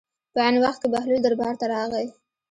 په عین وخت کې بهلول دربار ته راغی.